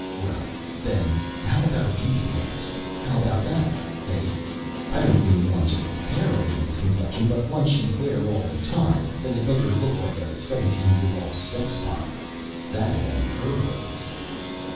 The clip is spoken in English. "Well, then, how about a beauty mask? How about that, hey? I don't mean one to repair a woman's complexion, but one she'd wear all the time that'd make her look like a 17 year old sexpot. That'd end her worries."